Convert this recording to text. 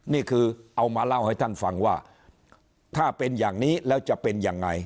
นี่คือเอามาเล่าให้ท่านฟังว่าถ้าเป็นอย่างนี้แล้วจะเป็นยังไง